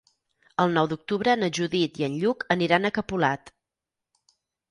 El nou d'octubre na Judit i en Lluc aniran a Capolat.